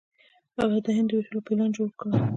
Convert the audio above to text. هغه د هند د ویشلو پلان جوړ کړ.